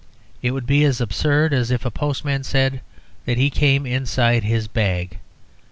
It would be as absurd as if a postman said that he came inside his bag.